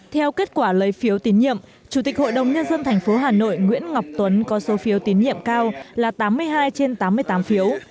theo kết quả lấy phiếu tín nhiệm chủ tịch hội đồng nhân dân tp hà nội nguyễn ngọc tuấn có số phiếu tín nhiệm cao là tám mươi hai trên tám mươi tám phiếu